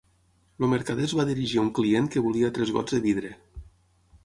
El mercader es va dirigir a un client que volia tres gots de vidre.